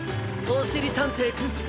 おしりたんていさん。